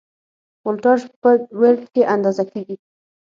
ولتاژ په ولټ کې اندازه کېږي.